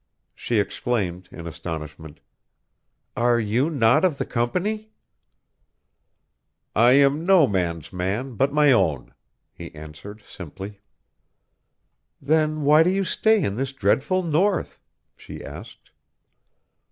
She exclaimed, in astonishment, "Are you not of the Company?" "I am no man's man but my own," he answered, simply. "Then why do you stay in this dreadful North?" she asked.